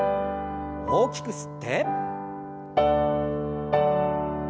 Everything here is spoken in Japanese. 大きく吸って。